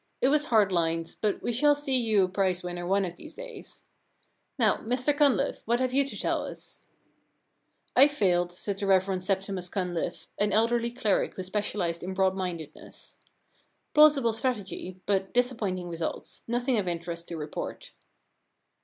* It was hard lines, but we shall see you a prize winner one of these days. Now, Mr Cunliffe, what have you to tell us ?'* I failed,' said the Rev. Septimus Cunliffe, an elderly cleric who specialised in broad mindedness. * Plausible strategy, but dis appointing results. Nothing of interest to report.'